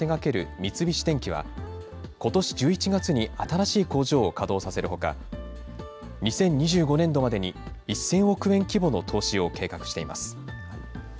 三菱電機は、ことし１１月に新しい工場を稼働させるほか、２０２５年度までに１０００億円規模の投資を計画しています。